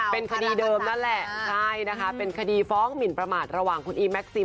เป็นคดีเดิมนั่นแหละใช่นะคะเป็นคดีฟ้องหมินประมาทระหว่างคุณอีแม็กซี